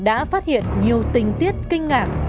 đã phát hiện nhiều tinh tiết kinh ngạc